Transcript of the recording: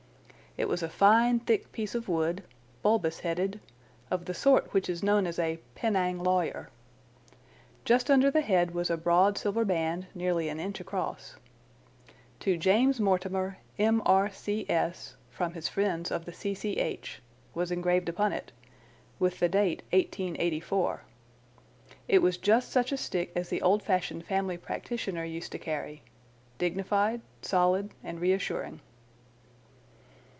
It was a fine, thick piece of wood, bulbous headed, of the sort which is known as a "Penang lawyer." Just under the head was a broad silver band nearly an inch across. "To James Mortimer, M.R.C.S., from his friends of the C.C.H.," was engraved upon it, with the date "1884." It was just such a stick as the old fashioned family practitioner used to carry—dignified, solid, and reassuring.